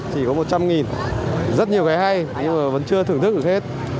chỉ có một trăm nghìn rất nhiều cây hay nhưng mà vẫn chưa thưởng thức được hết